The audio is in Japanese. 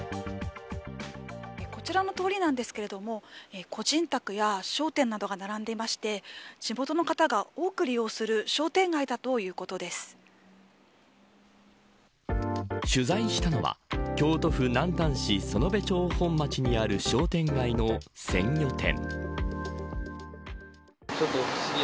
こちらの通りなんですが個人宅や商店などが並んでいまして地元の方が多く利用する取材したのは京都府南丹市園部町本町にある商店街の鮮魚店。